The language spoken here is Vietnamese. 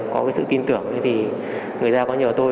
có sự tin tưởng người ra có nhờ tôi